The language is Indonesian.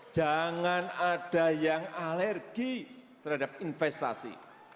jangan ada yang alergi terhadap investasi